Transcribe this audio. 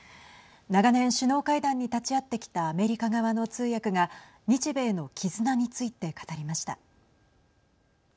長年、首脳会談に立ち会ってきたアメリカ側の通訳が日米の絆について語りました。